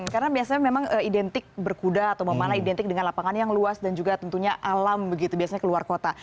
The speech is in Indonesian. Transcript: karena biasanya memang identik berkuda atau memanah identik dengan lapangan yang luas dan juga tentunya alam begitu biasanya keluar kota